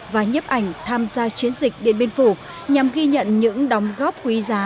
và nhấp ảnh tham gia chiến dịch điện biên phủ nhằm ghi nhận những đóng góp quý giá